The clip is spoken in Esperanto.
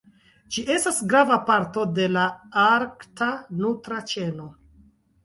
Ĝi estas grava parto de la arkta nutra ĉeno.